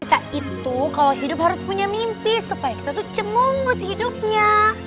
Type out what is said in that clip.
kita itu kalau hidup harus punya mimpi supaya kita tuh cemungut hidupnya